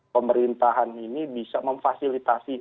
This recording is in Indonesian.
pemerintahan ini bisa memfasilitasi